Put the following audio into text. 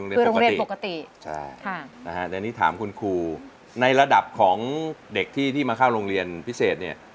โรงเรียนปกติใช่ค่ะนะฮะในนี้ถามคุณครูในระดับของเด็กที่มาเข้าโรงเรียนพิเศษเนี่ย